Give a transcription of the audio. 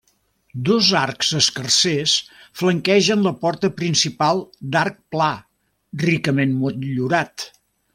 Dos arcs escarsers flanquegen la porta principal d'arc pla ricament motllurat.